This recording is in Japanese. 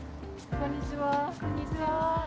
こんにちは。